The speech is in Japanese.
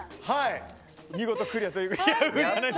見事クリアということで。